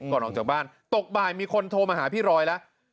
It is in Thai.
ก่อนออกจากบ้านตกบ่ายมีคนโทรมาหาพี่รอยแล้ว